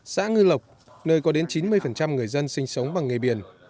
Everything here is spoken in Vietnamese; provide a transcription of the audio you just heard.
xã ngư lộc nơi có đến chín mươi người dân sinh sống bằng nghề biển